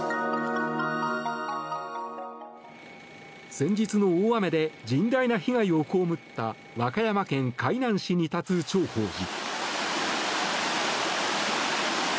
先日の大雨で甚大な被害を被った和歌山県海南市に立つ長保寺。